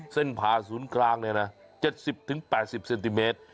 ผ่าศูนย์กลางเนี่ยนะ๗๐๘๐เซนติเมตร